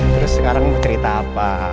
terus sekarang bercerita apa